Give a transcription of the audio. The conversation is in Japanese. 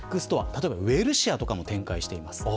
例えばウエルシアとかも展開しています。